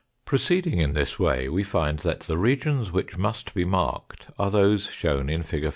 Proceeding in this way, we find that the regions which must be marked are those shown in fig.